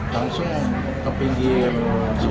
langsung ke pinggir selamat